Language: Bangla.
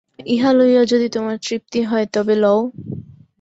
ইহা লইয়া যদি তোমার তৃপ্তি হয় তবে লও।